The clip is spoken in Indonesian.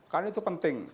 karena itu penting